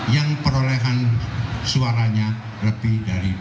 yang perolehan suaranya lebih dari dua puluh